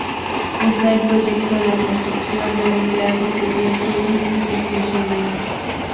Está en proyecto la construcción de un teatro cubierto y multifuncional.